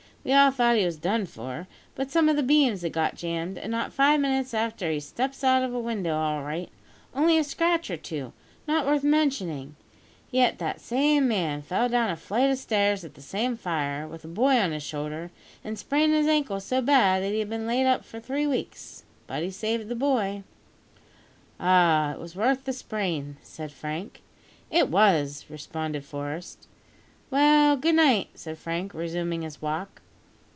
We all thought he was done for, but some of the beams had got jammed, and not five minutes after he steps out of a window all right only a scratch or two, not worth mentioning; yet that same man fell down a flight of stairs at the same fire, with a boy on his shoulder, and sprained his ankle so bad that he's bin laid up for three weeks; but he saved the boy." "Ah! it was worth the sprain," said Frank. "It was," responded Forest. "Well, good night," said Frank, resuming his walk.